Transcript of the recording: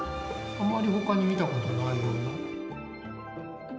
あまり他に見たことないような。